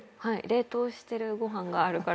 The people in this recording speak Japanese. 冷凍してるご飯があるから。